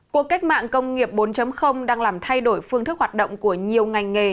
cuộc cách mạng công nghiệp bốn đang làm thay đổi phương thức hoạt động của nhiều ngành nghề